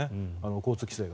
交通規制が。